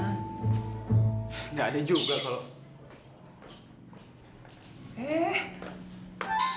nggak ada juga kok